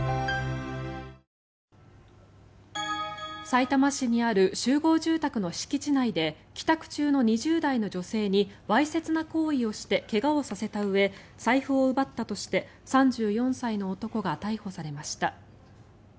さいたま市にある集合住宅の敷地内で帰宅中の２０代の女性にわいせつな行為をして怪我をさせたうえ財布を奪ったとして３４歳の男が逮捕されました。